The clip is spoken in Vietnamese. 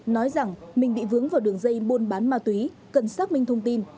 nói rằng mình bị vướng vào đường dây buôn bán ma túy cần xác minh thông tin